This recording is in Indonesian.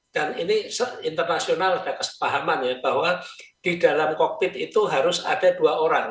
dan ini internasional ada kesepahaman ya bahwa di dalam kokpit itu harus ada dua orang